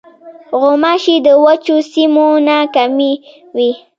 غوماشې د وچو سیمو نه کمې وي.